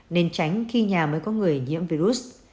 nên tránh khi nhà mới có người nhiễm virus